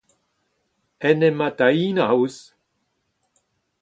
en em atahinañ ouzh